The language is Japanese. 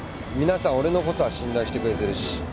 皆さん俺のことは信頼してくれてるし。